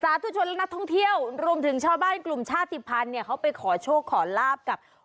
ชนและนักท่องเที่ยวรวมถึงชาวบ้านกลุ่มชาติภัณฑ์เนี่ยเขาไปขอโชคขอลาบกับ